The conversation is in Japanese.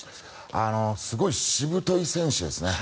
すごいしぶとい選手ですね。